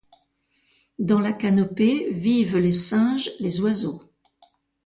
Dans la canopée vivent les singes, les oiseaux.